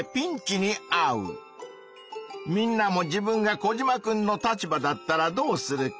みんなも自分がコジマくんの立場だったらどうするか？